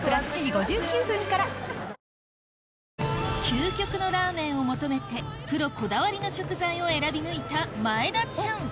究極のラーメンを求めてプロこだわりの食材を選び抜いた前田ちゃん